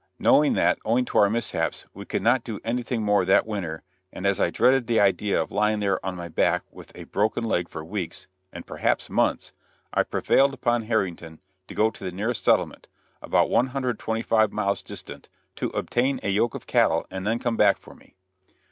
Knowing that, owing to our mishaps, we could not do anything more that winter, and as I dreaded the idea of lying there on my back with a broken leg for weeks, and perhaps months, I prevailed upon Harrington to go the nearest settlement about 125 miles distant to obtain a yoke of cattle, and then come back for me.